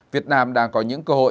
việt nam đang có những cơ hội